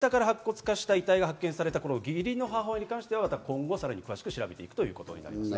床下から白骨化した遺体が発見された義理の母親に関しては、今後さらに詳しく調べるということです。